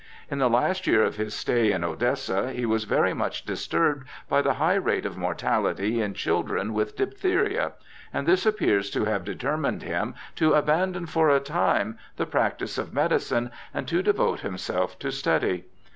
In the last year of his stay in Odessa he was very much disturbed by the high rate of mortality in children with diphtheria, and this appears to have determined him to abandon for a time the practice of medicine and to devote himself to study.